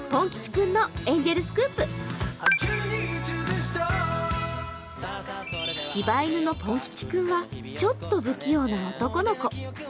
しば犬のぽん吉君はちょっと不器用な男の子。